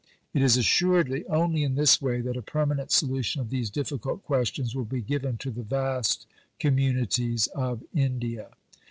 It is assuredly only in this way that a permanent solution of these difficult questions will be given to the vast communities of India.